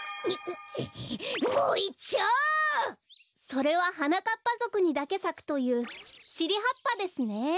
それははなかっぱぞくにだけさくというしりはっぱですね。